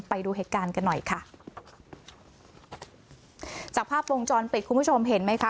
ไปดูเหตุการณ์กันหน่อยค่ะจากภาพวงจรปิดคุณผู้ชมเห็นไหมคะ